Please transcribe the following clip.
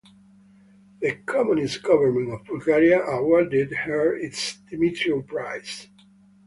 The communist government of Bulgaria awarded her its Dimitrov Prize.